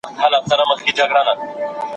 ډیپلوماټیک استازي د اړیکو د دوام لپاره کار کوي.